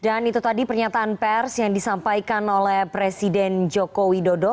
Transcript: dan itu tadi pernyataan pers yang disampaikan oleh presiden joko widodo